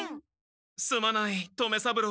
すまない留三郎。